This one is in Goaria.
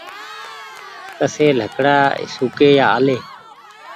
ڪسي لڪڙآ سوڪي يا آلي